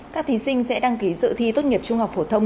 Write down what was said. các thí sinh sẽ đăng ký dự thi tốt nghiệp trung học phổ thông